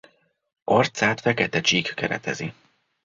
Arcát fekete csík keretezi.